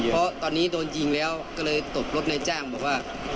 เพราะตอนนี้โดนยิงแล้วก็เลยตบรถนายจ้างบอกว่า